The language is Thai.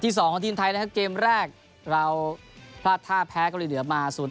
สองของทีมไทยนะครับเกมแรกเราพลาดท่าแพ้เกาหลีเหนือมา๐